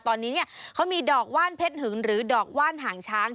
ตอนนี้เนี่ยเขามีดอกว่านเพชรหึงหรือดอกว่านหางช้าง